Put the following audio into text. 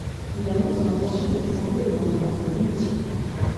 Il annonce son intention de présenter le lendemain sa démission.